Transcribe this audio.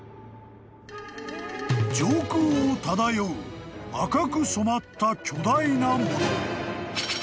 ［上空を漂う赤く染まった巨大なもの］